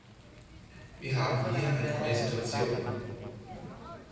Wir haben hier eine neue Situation.